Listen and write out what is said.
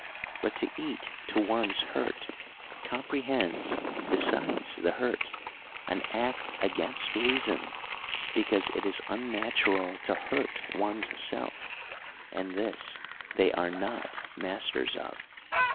But to eat to one's hurt comprehends, besides the hurt, an act against reason, because it is unnatural to hurt one's self; and this they are not masters of.